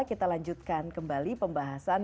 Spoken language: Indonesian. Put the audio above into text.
kita lanjutkan kembali pembahasan